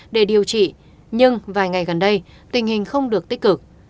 để điều trị nhưng vài ngày gần đây tình hình không được tích cực